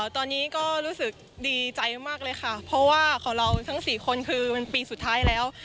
ตอนนี้ก็รู้สึกดีใจมากเลยค่ะเพราะว่าของเราทั้ง๔คนคือมันปีสุดท้ายแล้ว